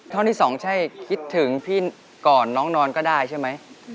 ท่อนที่สองใช่คิดถึงพี่ก่อนน้องนอนก็ได้ใช่ไหม